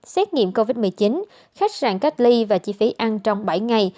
xét nghiệm covid một mươi chín khách sạn cách ly và chi phí ăn trong bảy ngày